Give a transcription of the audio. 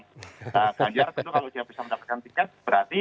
nah ganjar tentu kalau dia bisa mendapatkan tiket berarti